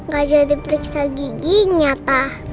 gak jadi periksa giginya pa